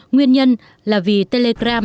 nguyên nhân là vì telegram